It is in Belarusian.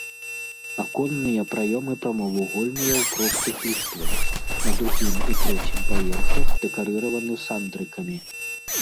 Аконныя праёмы прамавугольныя ў простых ліштвах, на другім і трэцім паверхах дэкарыраваны сандрыкамі.